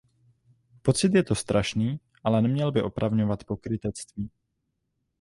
Pocit je to strašný, ale neměl by opravňovat pokrytectví.